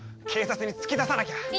警察に突き出さなきゃ！